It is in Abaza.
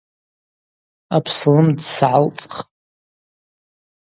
Апслымдз сгӏалцӏхтӏ.